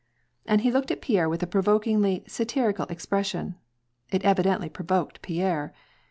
And he looked at Pierre with a provokingly satirical expres sion. It evidently provoked Pierre.